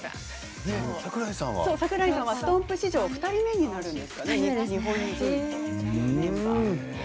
櫻井さんはＳＴＯＭＰ史上２人目になるんですよね、日本人って。